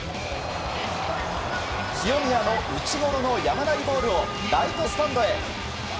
清宮の打ちごろの山なりボールをライトスタンドへ。